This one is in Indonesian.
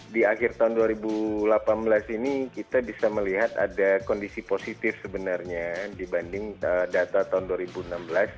di akhir tahun dua ribu delapan belas ini kita bisa melihat ada kondisi positif sebenarnya dibanding data tahun dua ribu enam belas